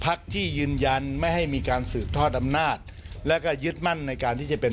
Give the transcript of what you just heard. พักที่ยืนยันไม่ให้มีการสืบทอดอำนาจแล้วก็ยึดมั่นในการที่จะเป็น